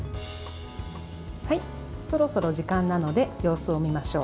そろそろ時間なので様子を見ましょう。